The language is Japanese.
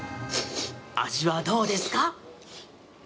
味はどうですか？